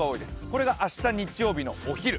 これが明日、日曜日のお昼。